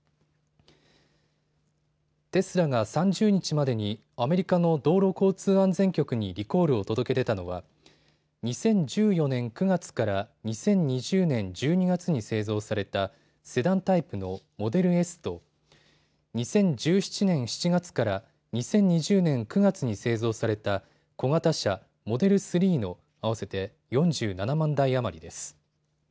テスラが３０日までにアメリカの道路交通安全局にリコールを届け出たのは２０１４年９月から２０２０年１２月に製造されたセダンタイプの「モデルＳ」と２０１７年７月から２０２０年９月に製造された小型車、モデル３の合わせて４７万台余りです。